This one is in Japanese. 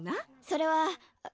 それは。あ！